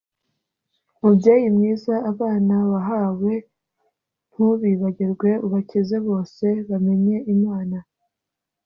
Mubyeyi mwiza abana wahawe ntubibagirwe ubakize bose bamenye Imana